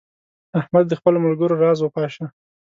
احمد د خپلو ملګرو راز وپاشه.